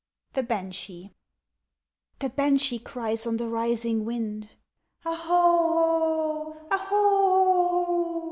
The Banshee THE Banshee cries on the rising wind "O hoho, O hoho o o!"